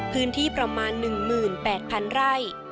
พื้นที่ประมาณ๑๘๐๐๐ไร่